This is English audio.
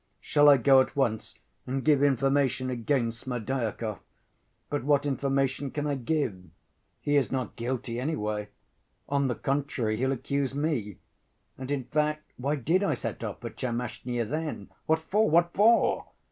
"Shall I go at once and give information against Smerdyakov? But what information can I give? He is not guilty, anyway. On the contrary, he'll accuse me. And in fact, why did I set off for Tchermashnya then? What for? What for?"